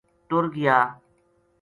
ٹر گیا